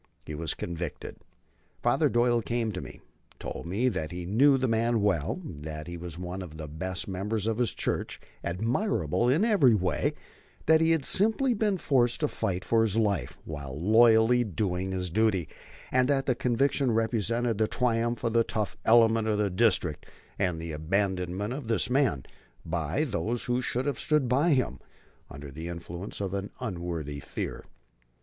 He was convicted. Father Doyle came to me, told me that he knew the man well, that he was one of the best members of his church, admirable in every way, that he had simply been forced to fight for his life while loyally doing his duty, and that the conviction represented the triumph of the tough element of the district and the abandonment of this man, by those who should have stood by him, under the influence of an unworthy fear.